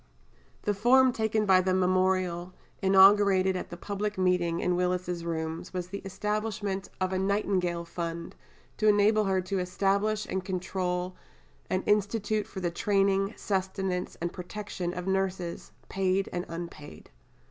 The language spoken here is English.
The form taken by the memorial, inaugurated at the public meeting in Willis's Rooms, was the establishment of a "Nightingale Fund," to enable her to establish and control an institute for the training, sustenance, and protection of nurses, paid and unpaid.